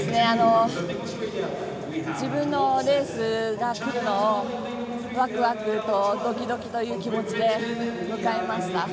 自分のレースが来るのをワクワクとドキドキという気持ちで迎えました。